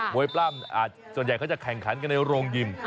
ปล้ำส่วนใหญ่เขาจะแข่งขันกันในโรงยิม